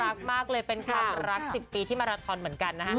รักมากเลยเป็นความรัก๑๐ปีที่มาราทอนเหมือนกันนะฮะ